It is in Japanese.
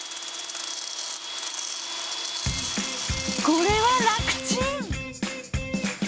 これは楽ちん！